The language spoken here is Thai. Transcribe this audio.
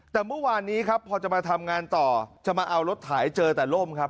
แต่เมื่อวานนี้ครับพอจะมาทำงานต่อจะมาเอารถถ่ายเจอแต่ล่มครับ